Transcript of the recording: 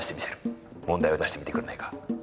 問題を出してみてくれないか？